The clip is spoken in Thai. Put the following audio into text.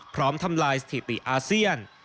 ทำลายสถิติอาเซียน